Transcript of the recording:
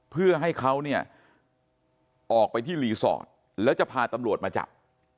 เพื่อให้เขาเนี่ยออกไปที่รีสอร์ทแล้วจะพาตำรวจมาจับ